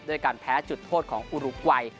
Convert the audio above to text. การแพ้จุดโทษของอุรุกวัย